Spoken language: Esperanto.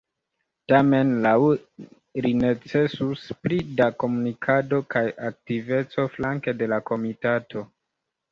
Tamen laŭ li necesus pli da komunikado kaj aktiveco flanke de la komitato.